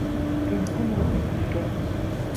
كم عمر طفلك؟